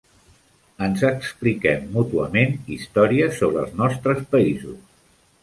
Ens expliquem mútuament històries sobre els nostres països.